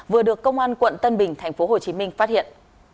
vừa được công an quận tân bình tp hcm phát hiện